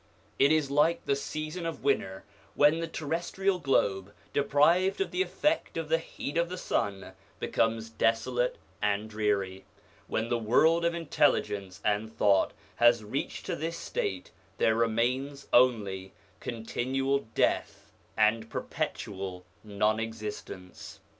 It is like the season of winter when the terrestrial globe, deprived of the effect of the heat of the sun, becomes desolate and dreary. When the world of intelligence and thought has reached to this state, there remain only continual death and perpetual non existence.